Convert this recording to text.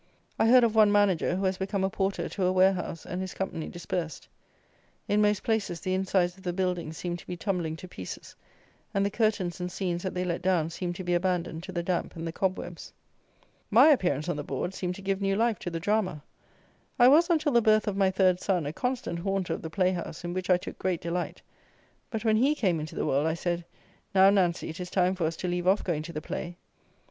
I heard of one manager who has become a porter to a warehouse, and his company dispersed. In most places the insides of the buildings seem to be tumbling to pieces; and the curtains and scenes that they let down seem to be abandoned to the damp and the cobwebs. My appearance on the boards seemed to give new life to the drama. I was, until the birth of my third son, a constant haunter of the playhouse, in which I took great delight; but when he came into the world I said, "Now, Nancy, it is time for us to leave off going to the play."